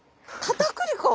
かたくり粉？